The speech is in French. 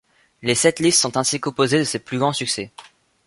Les setlists sont ainsi composées de ses plus grands succès.